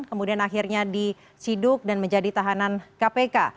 kemudian akhirnya disiduk dan menjadi tahanan kpk